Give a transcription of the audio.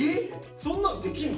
そんなんできんの？